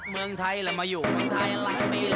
ผมรักเมืองไทยและมาอยู่เมืองไทยหลายปี